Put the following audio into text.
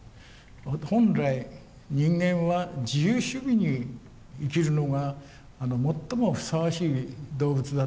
本来人間は自由主義に生きるのが最もふさわしい動物だと思います。